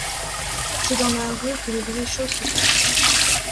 C’est dans la rue que les vraies choses se passent.